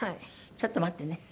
ちょっと待ってね。